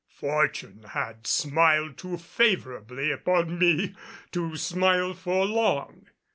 Fortune had smiled too favorably upon me to smile for long.